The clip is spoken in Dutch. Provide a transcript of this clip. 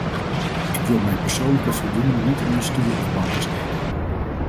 Ik wil mijn persoonlijke voldoening niet onder stoelen of banken steken.